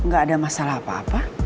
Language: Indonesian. gak ada masalah apa apa